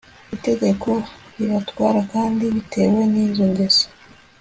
itegeko ribatwara kandi bitewe nizo ngeso